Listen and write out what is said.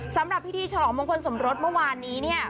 สำหรับพิธีฉลองมงคลสมรสเมื่อวานนี้เนี่ย